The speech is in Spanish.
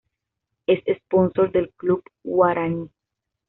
Es sponsor del Club Guaraní.